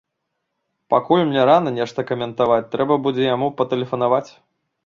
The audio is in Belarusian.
Пакуль мне рана нешта каментаваць, трэба будзе яму патэлефанаваць.